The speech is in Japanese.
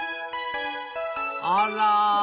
あら！